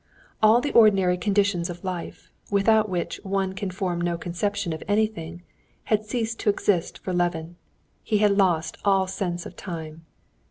All the ordinary conditions of life, without which one can form no conception of anything, had ceased to exist for Levin. He lost all sense of time.